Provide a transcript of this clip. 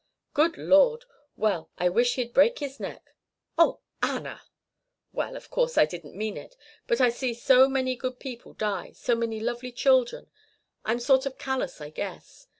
"Good Lord! Well, I wish he'd break his neck." "Oh, Anna!" "Well, of course I didn't mean it. But I see so many good people die so many lovely children I'm sort of callous, I guess.